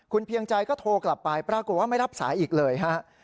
คุณเพียงใจก็โทรกลับไปปรากฏว่าไม่รับสายอีกเลยฮะ